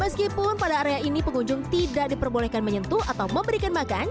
meskipun pada area ini pengunjung tidak diperbolehkan menyentuh atau memberikan makan